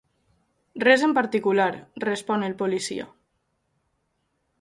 "Res en particular", respon el policia.